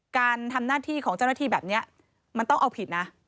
การทำหน้าที่ของเจ้าหน้าที่แบบนี้มันต้องเอาผิดนะ